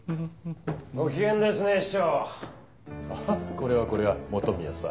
これはこれは本宮さん。